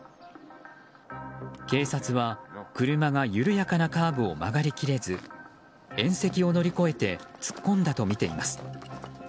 警察は車が緩やかなカーブを曲がり切れず縁石を乗り越えて突っ込んだとみています。